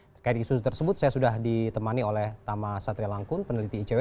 terkait isu tersebut saya sudah ditemani oleh tama satria langkun peneliti icw